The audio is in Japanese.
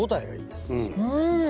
うん。